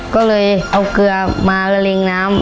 ก็เลยเอาเกลือมาเรียงน้ำ